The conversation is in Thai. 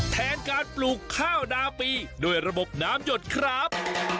แทนการปลูกข้าวนาปีด้วยระบบน้ำหยดครับ